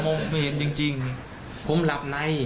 ผมหลับในครับยายผมมองไม่เห็นจริงจริงผมหลับใน